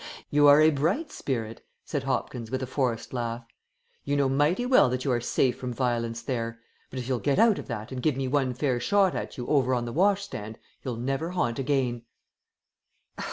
"You are a bright spirit," said Hopkins with a forced laugh. "You know mighty well that you are safe from violence there; but if you'll get out of that and give me one fair shot at you over on the washstand, you'll never haunt again."